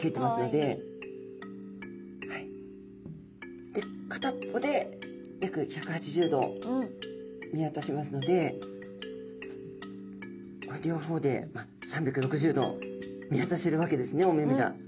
で片っぽで約１８０度見わたせますので両方で３６０度見わたせるわけですねお目々が。